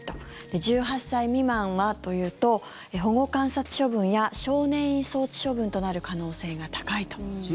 １８歳未満はというと保護観察処分や少年院送致処分となる可能性が高いということです。